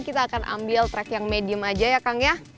kita akan ambil trek yang medium aja ya kang